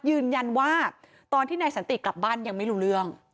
ยืนยันว่าตอนที่นายสันติกลับบ้านยังไม่รู้เรื่อง